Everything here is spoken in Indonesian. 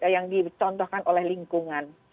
yang dicontohkan oleh lingkungan